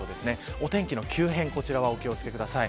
お天気の急変にお気を付けください。